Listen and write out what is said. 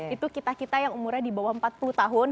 itu kita kita yang umurnya di bawah empat puluh tahun